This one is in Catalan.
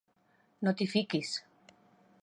No t'hi fiquis.